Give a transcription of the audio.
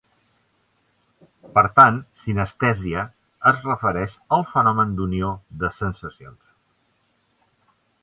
Per tant sinestèsia es refereix al fenomen d’unió de sensacions.